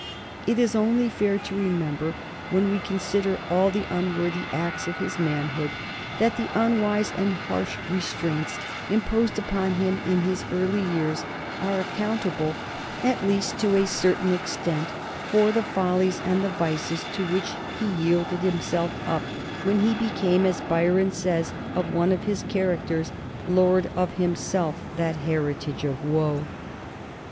It is only fair to remember when we consider all the unworthy acts of his manhood that the unwise and harsh restraints imposed upon him in his early years are accountable, at least to a certain extent, for the follies and the vices to which he yielded himself up when he became, as Byron says of one of his characters, "Lord of himself, that heritage of woe."